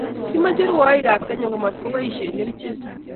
Kimache Rwaik ab kenya komatkobaishe kerichek